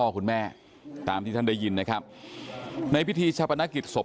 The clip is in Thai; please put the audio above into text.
คุณแม่ตามที่ท่านได้ยินนะครับในพิธีชาปนกิจศพ